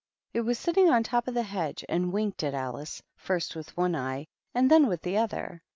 It was sitting on top of the hedge, and winked at Alice, first with one eye and then with the other.